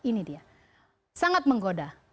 ini dia sangat menggoda